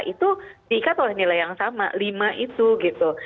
itu diikat oleh nilai yang sama lima itu gitu